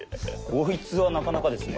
こいつはなかなかですね。